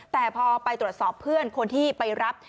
แต่พอไปตรวจสอบเพื่อนคนที่ไปรับ